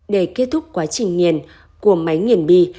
để kết thúc quá trình nhiền của máy nhiền bi